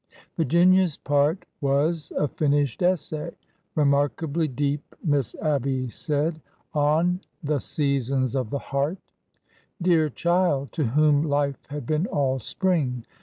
Virginia's part was a finished essay — remarkably deep, 124 ORDER NO. 11 Miss Abby said— on The Seasons of the Heart/' Dear child! to whom life had been all spring.